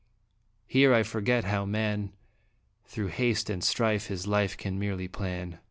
Here 1 forget how man Through haste and strife his life can merely plan.